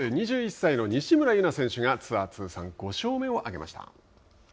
２１歳の西村優菜選手がツアー通算５勝目を挙げました。